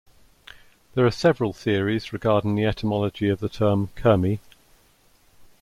There are several theories regarding the etymology of the term "Kurmi".